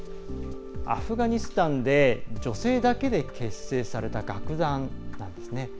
アフガニスタンで女性だけで結成された楽団なんですね。